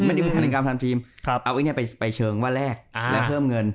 เอาอันนี้ไปเชิงว่าแลกและเพิ่มเงิน